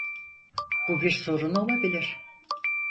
Bu bir sorun olabilir.